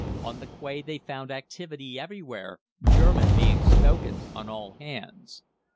On the quay they found activity everywhere, German being spoken on all hands.